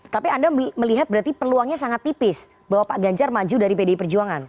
tapi anda melihat berarti peluangnya sangat tipis bahwa pak ganjar maju dari pdi perjuangan